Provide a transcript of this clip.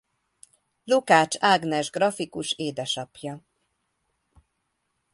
Lukács Ágnes grafikus édesapja.